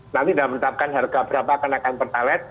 nanti dalam menetapkan harga berapa akan akan pertalite